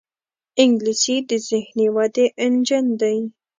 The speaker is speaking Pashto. انګلیسي د ذهني ودې انجن دی